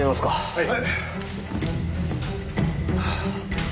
はい。